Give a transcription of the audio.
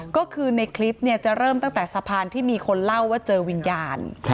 ก็คือในคลิปจะเริ่มตั้งแต่สะพานที่มีคนเล่าว่าเจอวิญญาณ